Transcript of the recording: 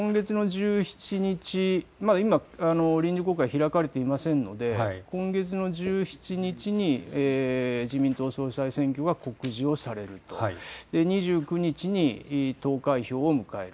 今、臨時国会開かれていませんので今月の１７日に自民党総裁選挙が告示をされると、２９日に投開票を迎える。